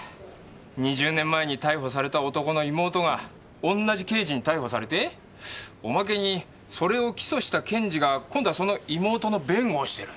２０年前に逮捕された男の妹が同じ刑事に逮捕されておまけにそれを起訴した検事が今度はその妹の弁護をしてる。